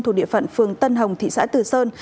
thuộc địa phận phường tân hồng thị xã từ sơn